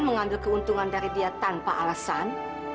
mengambil keuntungan dari dia tanpa alasan